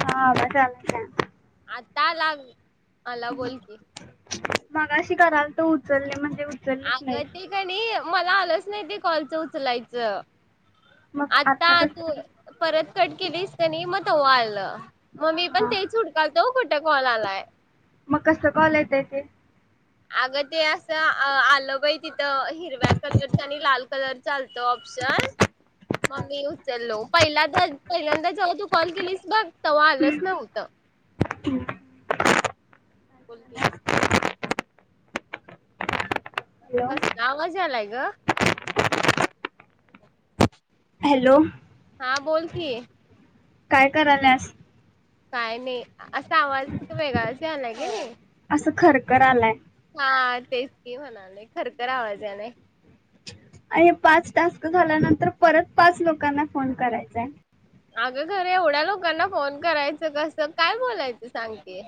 हा आवाज यालता काय आता आला ग मगाशी करालतो तो उचलली नाहीस. आग ते कणी मला कळलच नाही ते कॉलचं उचलायचं. मग आता तू कसं परत कट केेलीस कणी म तव्हा आलं. म मी पण हा तेच हूडकालतो. कुठ कॉल आलाय. मग कसं कॉल येतंय ते अगं ते आसं आलं बाई तिथं हिरव्या कलरच आणि लाल कलरच आलत ऑप्शन म मी उचललो पहिल्यांदा पहिल्यांदा जवा तू कॉल केलीस बघ तवा आलंच नव्हतं. [inaudible] बोल की काय करत्या हॅलो कसला आवाज यालाय गं हॅलो हां बोल की काय कराल्यासं काय नाही आसा आवाजच वेगळाच आलाय कनी असं खरखरलाय. हा तेच की म्हणालोय खरखर आवाज यालाय. आणि हे पाच टास्क झाल्यानंतर परत पाच लोकांना फोन करायचा आहे. आग खरं एवढ्या लोकांना फोन करायचं कसं काय बोलायचं सांग की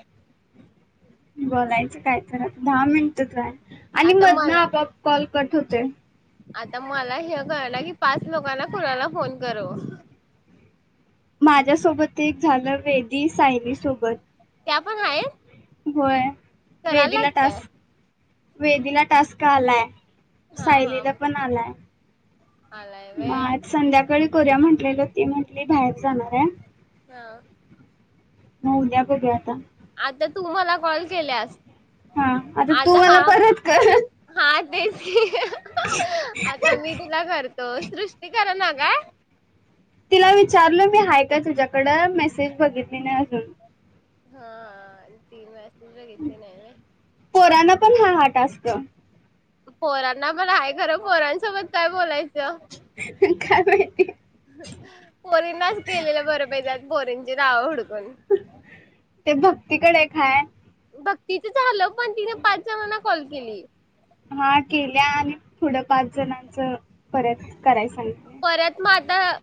बोलायचं काय तर दहा मिनिट तर हाय आणि आता मधन, मला आपोआप कॉल. कट होतोय. आता माला हे कळलय, की पाच लोकांना कुणाला फोन करु? माझ्यासोबत एक झालं, वेदी सायली सोबत. त्या पण आहेत. होय करायला वेदीला लागतय टास्क. वेदिला, टास्क आलाय, हा हा. सायलीला, पण आलाय. आलाय म व्हय आज संध्याकाळी. करुया म्हंटलेलं, ती म्हंटली बाहेर जाणारय. हा! म उद्या बघूया आता. आता तू मला, कॉल केल्यास. हा तू आता हा, मला परत कर हा, तेच की आता मी तुला करतो सृष्टी करनं ना. काय? तिला विचारल मी हाय काय तुझ्याकडं, मेसेज बघितली नाही अजून. हा तीनं. तुझं एक केलंय? पोरांना पण हा टास्क? पोरांना पण आहे खरं, पोरांसोबत काय बोलायचं. त्या! हुं कायबाई. पोरीनांच, केलेलं बरं बाई पोरी ते रा हूड ते बग. तिकडे एक हाय. बघ तीचं झालं. पण तिनं पाचव्या [unintelligible] कॉल केली. हा केल्या, आणि पुढं पाच जणांच परत करायला सांगितलं परत मग आता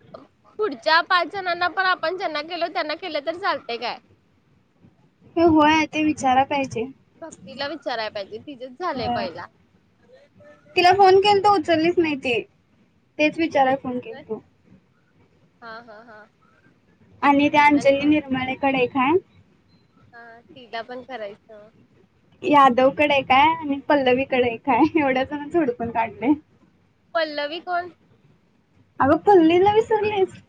पुढच्या पाच जणांना पण आपण, ज्यांना केलो त्यांना केलं तर, चालते काय? ते होय, ते विचारा. पाहिजे भक्तीला, विचाराया पाहिजे तिजच झालंय होय. पहिला. माहितीय. तेच विचाराय केलतीस फोन व्हय केलता. हा हा हा! आणि त्या अंजली निर्माळेकडेय. ह्यां. हा तिला पण करायचं. यादवकडे एकाय आणि पल्लवीकडे एकाय. एवढ्याच जणांचं हूडकून काढलंय. पल्लवी कोण? अगं पल्लवीला विसरलीस?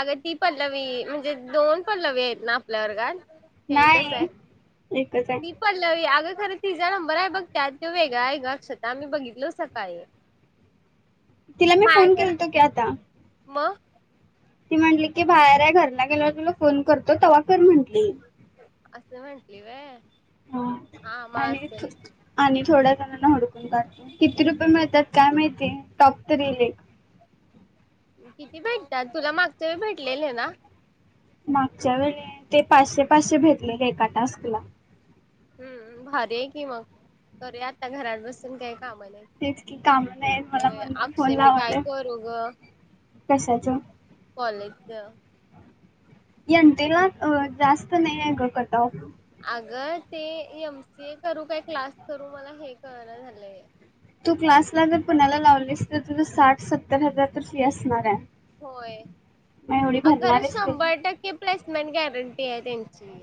अगं ती पल्लवी म्हणजे दोन पल्लवी आहेत ना आपल्या वर्गात का एक च हाय नाही एकच आहे ती पल्लवीआग खरं तिझा नंबर आहे बघ त्यात तो वेगळा आहे ग अक्षता आम्ही बघितलो सकाळी तिला मी फोन केलतो की आता म ती म्हटली की बाहेर आहे घरला गेल्यावर तुला फोन करतो तवा कर म्हणल. [unintelligible] असं म्हणटली व्हय. हा हा मग आणि असेल. आणि थोडं हडकून काढतो किती रुपये मिळतात काय माहितीय टॉप तर येईल एक. किती भेटतात तुला मागचं व भेटलेल ना. मागच्या वेळी ते पाचशे पाचशे भेटले एका टास्क ला. हम्म भारी आहे की मग करूया आता घरात बसून काय. काम नाहीत. तेच की काम नाही मला म्हणून फोन [unintelligible] मी काय लावले करू ग कशाचं कॉलेजच यनतेला जास्त नाही आहे ग कट ऑफ. अग ते एम सी ए करू काय क्लास करू मला हे कळना झालंय. तू क्लासला जर कोणाला लावलीस तर तुझ साठ सत्तर हजार तर फी असणार हाय. होय अगं खरं आहेस ते शंभर टक्के प्लेसमेंट गॅरंटी ते तेचि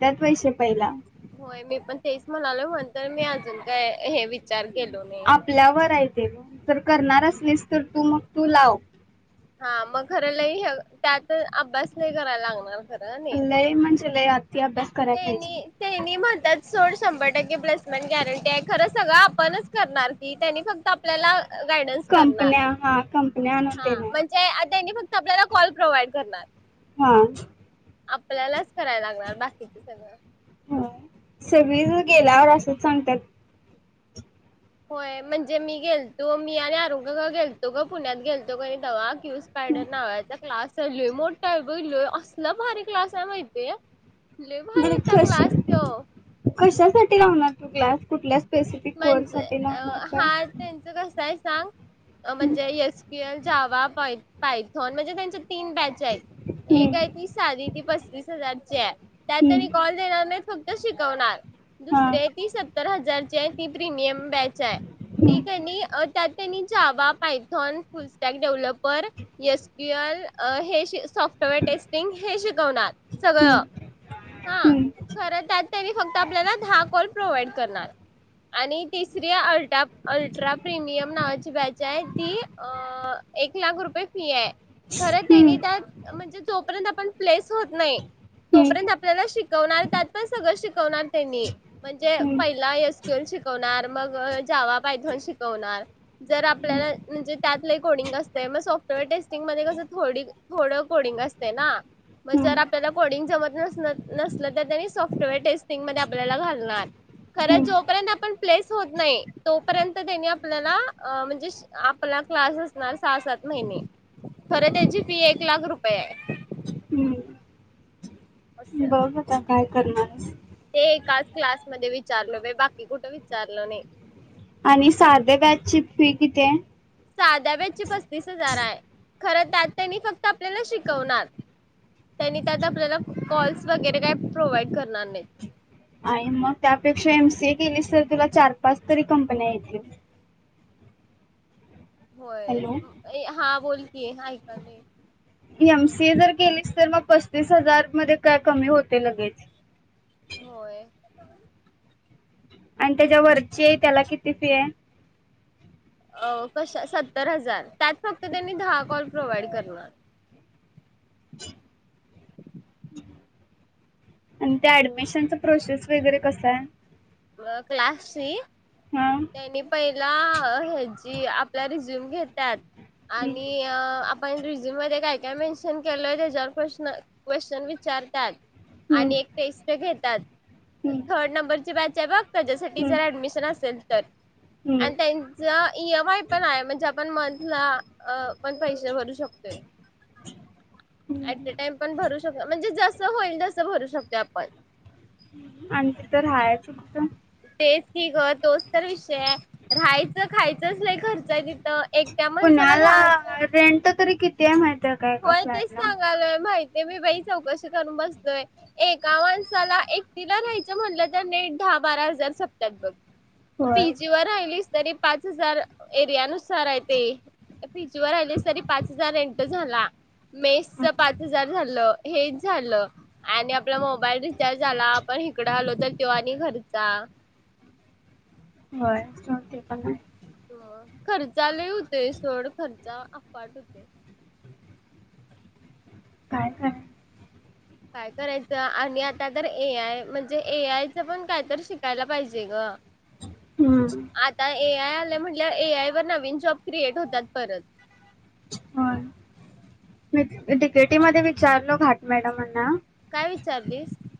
त्यात पैसे पहिला होय मी पण तेच म्हणालोय म्हणून तर मी अजून काय हे विचार केलो नाही. आपल्यावरय जर करणारच असलीस तर तू मग तू लाव. हा मग खर लही त्यात अभ्यास नाही करायला लागणार. लय म्हणजे लय अति अभ्यास करायला तेनी पाहिजे तेनी म्हणत्यात सोड. शंभर टक्के प्लेसमेंट गॅरंटी आहे खरं सगळं आपणच करणार की त्यांनी फक्त आपल्याला गायडन्स करणार. कंपन्या हा कंपन्या आणून हा देणार. म्हणजे आता यांनी फक्त आपल्याला कॉल प्रोव्हाइड करणार हा आपल्यालाच करायला लागणार. किती सगळ हो सगळी ज गेल्यावर असंच सांगत्यात होय म्हणजे मी गेलतो मी आणि अरोंग्यग गेलतो ग पुण्यात गेलतो ग तेव्हा क्यू स्पायडर नावाचा क्लासलोय मोठालोय असला भारी क्लास आहे माहितीय मर कश कशासाठी लावणार तु क्लास कुठल्याच म्हणजे अ हा त्यांच कसा हाय सांग हम्म, म्हणजे S P L, Java, point Python म्हणजे त्यांच तीन बॅच आहेत एक हम्म, आहे ती साधी ती प विस हजारची आहे त्यात हम्म, त्यांनी कॉल देणार नाही फक त शिकवणार हा, दुसरी आहे ती सत्तर हजारची आहे एम ब्याच आहे ती हम्म, कनी अं त्यात त्यांनी Java, Python, full stack developer, S Q L अं हे सॉफ्टवेअर टेस्टिंग अं हे शिकवणार हम्म, सगळं हम्म, हा हम्म, खरं त्यात त फक्त आपल्याला दहा कॉल प्रोव्हाइड करणार आणि तिसरी अल्टा अल्ट्रा प्रिमियम नावाची बॅच आहे ती अ एक लाख रुपये फी आहे. खरं तेनी हम्म, त्यात म्हणजे जो पर्यंत आप पण प्लेस होत नाही तोपर्यंत आपल्याला शिकवणार त्यात पण सगळं शिक कवनार त्यांनी म्हणजे हम्म, पहिला एस नार मग जावा, पायथॉन शिकवणार जर आपल्याला म्हणजे त्यात लई कोडिंग असतय मग सॉफ्टवेअर टेस्टिंग मध्ये कस थोडी थोडं कोडिंग असतय ना मग जर हम्म, आपल्याला कोडिंग जमत नस नसलं तर तेनी आपल्याला सॉफ्टवेअर टेस्टिंग मध्ये घालणार खर हम्म, जो पर्यंत आपण प्लेस होत नाही तोपर्यंत त्यांनी आपल्याला म्हणजे अ आपला क्लास असणार सहा सात महिने खर त्यांची फी एक लाख रुपये आहे. मी असं बघू आता काय करणारस ते एकाच क्लासमध्ये विचारल बाई बाकी कुठ विचारल नाही आणि साध्या बॅचची फी किती आहे? साध्या बॅचची पस्तीस हजार आहे. खर त्यात त्यांनी फक्त आपल्याला शिकवणार त्यांनी त्यात आपल्याला कॉल्स वगैरे काही प्रोव्हाइड करणार नाहीत. आणि मग त्यापेक्षा एम सी ए केलीस तर तुला चार-पाच तरी कंपन्या येतील होय हॅलो ए हा बोल [unintelligible] एम सी ए जर केलेच तर म पस्तीस हजार मध्ये काय कमी होते लगेच. होय. आणि त्याच्या वरचे त्याला किती फी ये? अ कश सत्तर हजार त्यात फक्त त्यांनी दहा कॉल प्रोव्हाइड करणार. आणि त्या ऍडमिशनच प्रोसेस वगैरे कस ये? अ क्लासची? त्यानी प ला हे ची आपला रिझ्युम घेत्यात. हम्म, आणि अ आ पण रिझ्यूम मध्ये काय काय मेन्शन केलय त्याच्यावर प्रश्न क्वेशन विचारतात. हम्म, आणि एक टेस्ट ते घेत तात. हम्म, थर्ड नंबरची बॅच. हे बघ. त्येच्यासाठी हम्म, जर ऍडमिशन असेल? हम्म. आणि त्यांच इ एम आय पण हाय म्हणजे आ पण मदला अ पण पैसे भरू शकतोये ॲट अ टाइम पण भरुश [unintelligible] म्हणजे जस होईल तसं भरू शकतोय आपण. आणि तिथ रहायाच कुठ? तेच की ग तोच तर विषय ये राहायचं खायचंच लई खर्च ये दि पुण्याला हाय रेंट. तरी किती ये माहित होय तेच सांगायलोय माहित ते मी बाई चौकशी करून बसलोय एका माणसाला एकटीला रहायचं म्हंटलं तर नेट दहा बारा हजार सपत्यात बघ. होय पी जी वर राहायलीस तरी पाच हजार एरिया नुसार हाय ते पी जी वर राहिलीस तरी पाच हजार रेंट झाला. मेसच पाच हजार धरलं. हेच झालं आणि आपला मोबाईल रिचार्ज आला आपण हिकड आलो तर त्यो आणि घरचा. व्हय कस ते पण हाय [unintelligible] [unintelligible] खर्चा लइ हुतोय सोड खर्चा अफाट होतोये. काय काय? काय करायचं आणि आता तर ए आय म्हणजे ए आयचं पण कायतर शिकायला पाहिजे गं. हम्म. ए आय आलय म्हटल्याव ए आय वर नवीन जॉब क्रियेट होतात परत. होय मी डी के टी मध्ये विचारलो भाट मॅडमांना. काय विचारलीसं.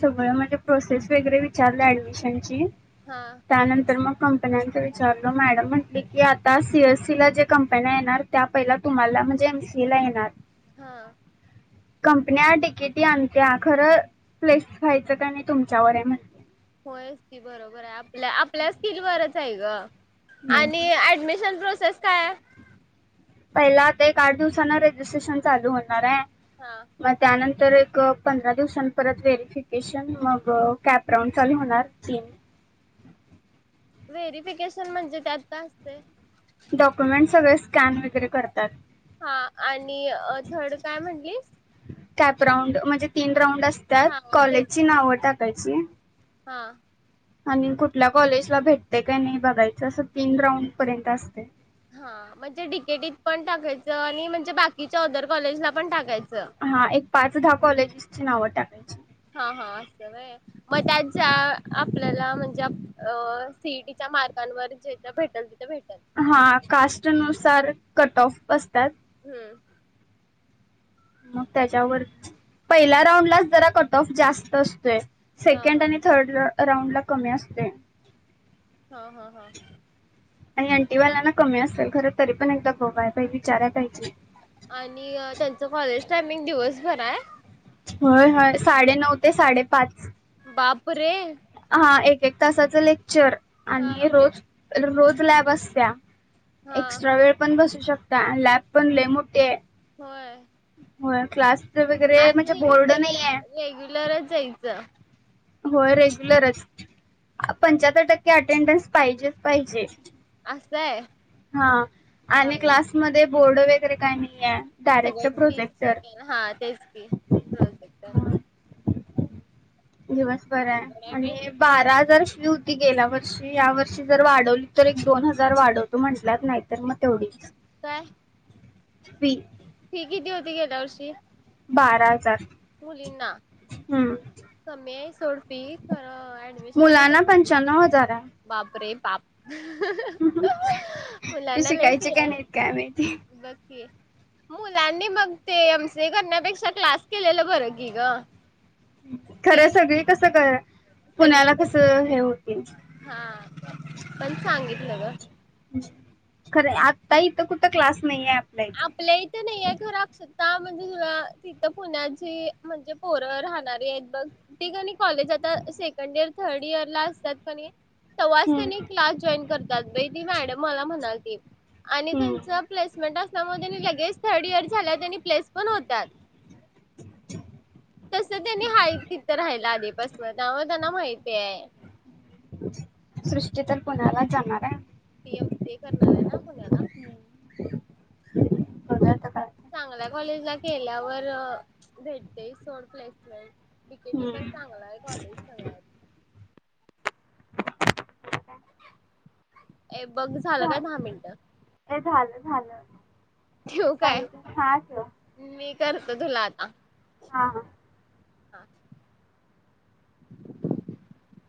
सगळं म्हणजे प्रोसेस वगैरे विचारली ऍडमिशनची हा त्यानंतर मग कंपन्यांच विचारलं मॅडम म्हंटली की आता सी एस सी ला ज्या कंपन्या येणार त्या पहिला तुम्हाला म्हणजे एम सी ए ला येणार. हां कंपन्या डी के टी आणतीया खरं प्लेस व्हायचं काय नाही तुमच्यावर आहे म्हंटले होयच की बरोबर आहे आपल्या आपल्याच स्कीलवरच आहे ग आणि ऍडमिशन प्रोसेस प्रोसेस काय पहिला आता एक आठ दिवसांन रेजिस्ट्रेशन चालू होणार आहे. हा म त्यानंतर तर एक पंधरा दिवसांपत व्हेरिफिकेशन मग कॅपराऊंड चालू होणार तीन व्हेरीफिकेशन म्हणजे त्यात काय असतय. डॉक्युमेंट सगळे स्कॅन वगैेरे करणार. हा आणि थर्ड काय म्हटलीस. कॅपराऊंड म्हणजे तीन राउंड असत्यात हा ते कॉलेजची नावं टाक टाकायची हा आणि कुठल्या कॉलेजला भेटतय काय नाही बघायचं असं तीन राऊंड पर्यंत असतय. हा म्हणजे डीकेटीत पण टाकायचं आणि म्हणजे बाकीच्या ऑदर कॉलेजला पण टाकाय हा एक पाचदहा कॉलेजिसची नावं टाकायची हा हा असं होय मग त्यात ज्या आपल्याला म्हणजे आप अ सीईटीच्या मार्गांवर जेथ भेटेल तिथं भेटल हा कास्टनुसार कटऑफ असत्यात. हम्म मग त्याच्यावर पहिल्या राऊंडलाच जरा कटऑफ जास्त असतोय. हा सेकंड हा आणि थर्ड राऊंडला कमी असतोय. हा हा हा आणि ॲन्टीवाल्यांना कमी असेल खर तरी पण एकदा बघायलाच पायजे विचाराय पायजे आणि त्यांच कॉलेज टायमिंग दिवसभराय होय होय साडेनऊ ते साडेपाच आहे बापरे हा एक एक तासाचं लेक चर हा आणि रोज रोज लॅब असत्या हा एक्स्ट्रा वेळ पण बसु शकता आणि लॅब पण लय मोठीय. होय. होय क्लास वगैरे म्हणजे आणि तिथ बोर्ड नाही आहे. रेग्युलरच जायचं. होय रेग्युलरच, पंच्याहत्तर टक्के अटेंडन्स पाहिजेच पाहिजे. असं आहे हा आणि बाई क्लास मध्ये बोर्ड वगैरे काही नाहीये. सगळे डिजिटल हा तेच की प्रोजेक्ट. दिवस बर आहे आणि बारा हजार होती गेल्या वर्षी या वर्षी जर वाढवली तर एक दोन हजार वाढवतो म्हटलात नाही तर मग तेवढीच. काय बी फी किती होती गेल्या वर्षी? बारा हजार मुलींना हम्म समे सोड ती खर मुलांना पंचाण्नव हजार आहे. ताप त मुलांना लई शिकायच फी काय आहे. नाहीत काय माहिती. बघ की मुलांनी मग ते एम सी करण्यापेक्षा क्लास- केलेला बर की ग. खरं कीच सगळी कसं कर. पुण्याला कसं हे होतील [unintelligible] सांगितलं ग. खरं आता इथं कुठं क्लास नाहीे. आपल्या इथे नाही खरं. म्हणजे तिथं पुण्यात ची म्हणजे पोर राहणारी आहेत बघ ते का कॉलेज आता सेकंड इयर. थर्ड इयर ला असतात पण तेव्हाच हम्म त्यांनी क्लास जॉईन करतात त मॅडम मला म्हणाली. एक आणि त्यांच हम्म प्लेसमेंट अस. लगेज थर्ड एअर झाल्या त्यांनी प्लेस पण होतात. तस त्यांनी हाय तिथं राहायला आले. बसवत ना त्यांना माहती आहे सृष्टी तर पुण्याला जाणार आहे. ती एम सी ए करणार आहे ना पुण्याला. बघूया आता काय होतंय चांगल्या कॉलेज ला केल्यावर - भेटते सोड प्लेसमेंट बकेटी पण हम्म चांगला आहे कॉलेज सगळ्यात. [inaudible] ए बघ झालं काय दहा मिनट ए झालं झालं ठेवु काय. चालू हा ठेव करतो तुला आता. हा हा. हा [inaudible]